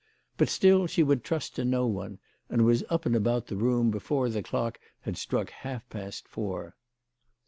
But still she would trust to no one, and was up and about the room before the clock had struck half past four.